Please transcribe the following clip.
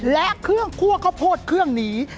และเครื่องคั่วข้าวโพดเครื่องนี้